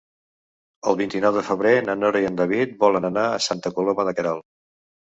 El vint-i-nou de febrer na Nora i en David volen anar a Santa Coloma de Queralt.